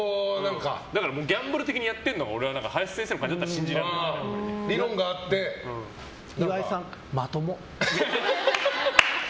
ギャンブル的にやってるのが林先生の感じだったら岩井さん、まとも。